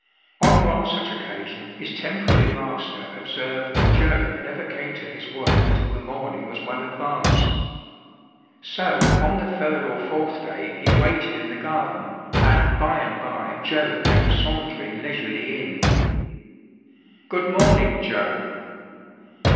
On one such occasion his temporary master observed that Joe never came to his work until the morning was well advanced. So on the third or fourth day he waited in the garden, and by and by Joe came sauntering leisurely in. " Good morning, Joe."